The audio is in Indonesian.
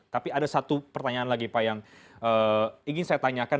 tapi ada satu pertanyaan lagi pak yang ingin saya tanyakan